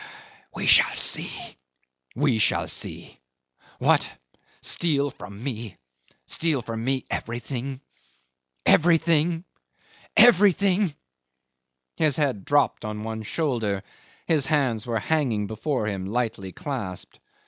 We shall see! We shall see! What! Steal from me! Steal from me everything! Everything! Everything!" His head drooped on one shoulder, his hands were hanging before him lightly clasped.